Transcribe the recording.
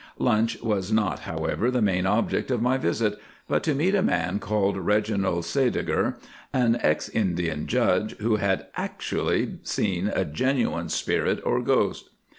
Lunch was not, however, the main object of my visit, but to meet a man called Reginald Sædeger, an ex Indian judge, who had actually seen a genuine spirit or ghost.